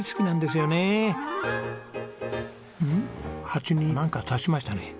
鉢になんか挿しましたね。